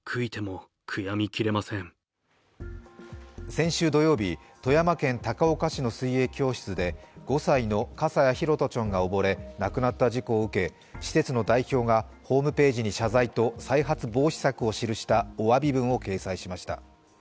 先週土曜日、富山県高岡市の水泳教室で５歳の笠谷拓杜ちゃんが溺れ亡くなった事故を受け施設の代表がホームページに謝罪と再発防止策を記したおわび文を掲載しました。